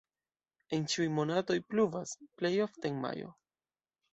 En ĉiuj monatoj pluvas, plej ofte en majo.